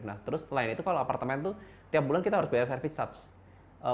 nah terus selain itu kalau apartemen tuh tiap bulan kita harus bayar service charge